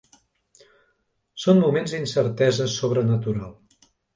Són moments d'incertesa sobrenatural.